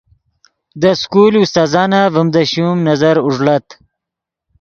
دے سکول استاذانف ڤیم دے شوم نظر اوݱڑت